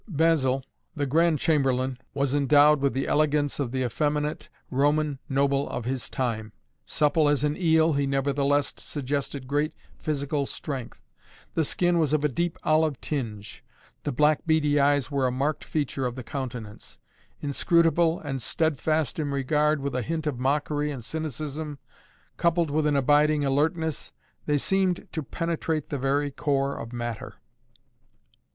Basil, the Grand Chamberlain, was endowed with the elegance of the effeminate Roman noble of his time. Supple as an eel, he nevertheless suggested great physical strength. The skin was of a deep olive tinge. The black, beady eyes were a marked feature of the countenance. Inscrutable and steadfast in regard, with a hint of mockery and cynicism, coupled with an abiding alertness, they seemed to penetrate the very core of matter.